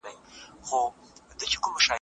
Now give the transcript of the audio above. ټيکنالوژي پر پيوستون څه اغېزه لري؟